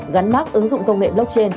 gắn mắt ứng dụng công nghệ blockchain